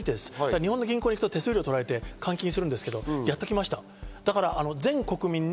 日本の銀行に行くと手数料取られて換金するんですけどやってきました。